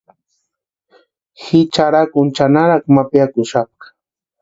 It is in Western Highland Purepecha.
Ji charhakuni chʼanarakwa ma piakuxapka.